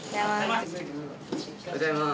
おはようございます。